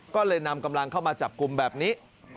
ก็เลยนำกำลังเข้ามาจับกลุ่มแบบนี้